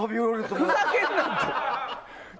ふざけんなって！